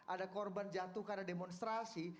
ada korban jatuh karena demonstrasi